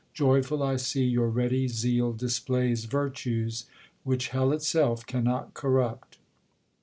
Joyful I see your ready zeal displays Virtues, which hell itself cannot corrupt.